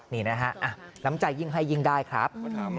นี่นะฮะน้ำใจยิ่งให้ยิ่งได้ครับ